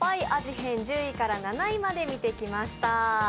編１０位から７位まで見てきました。